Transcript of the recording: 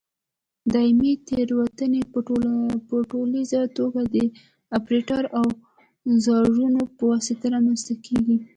دایمي تېروتنې په ټولیزه توګه د اپرېټر او اوزارونو په واسطه رامنځته کېږي.